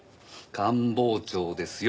官房長ですよ。